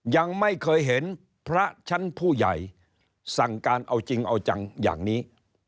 ยังไม่เคยเห็นพระชั้นผู้ใหญ่สั่งการเอาจริงเอาจังอย่างนี้